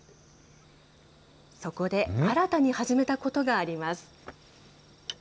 そこで新たに始めたことがあります。